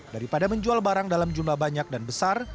daripada menjual barang dalam jumlah banyak dan besar